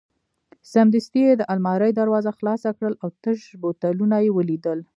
سمدستي یې د المارۍ دروازه خلاصه کړل او تش بوتلونه یې ولیدل.